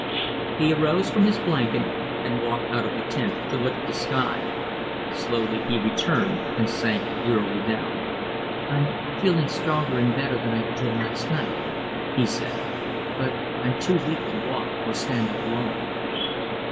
He arose from his blanket, and walked out of the tent to look at the sky. Slowly he returned, and sank wearily down. "I'm feeling stronger and better than I did last night," he said; "but I'm too weak to walk or stand up long."